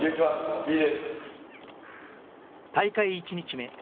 大会１日目。